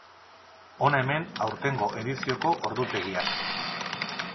Hona hemen aurtengo edizioko ordutegiak.